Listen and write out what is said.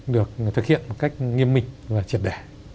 được thực hiện một cách nghiêm minh và triệt đẻ